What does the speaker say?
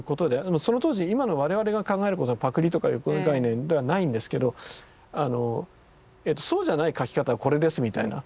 その当時今の我々が考えることはパクリとかいう概念ではないんですけど「そうじゃない描き方これです」みたいな。